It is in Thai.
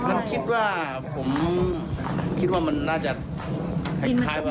มันคิดว่าผมคิดว่ามันน่าจะคล้ายว่าดินอุ้มน้ำเยอะ